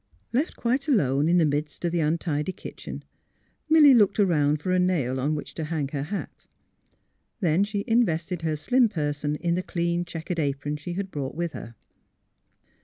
Left quite alone in the midst of the untidy kitchen, Milly looked around for a nail on which to hang her hat ; then she invested her slim person in the clean checkered apron she had brought with her.